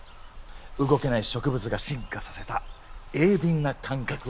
動けない植物が進化させた鋭敏な感覚を。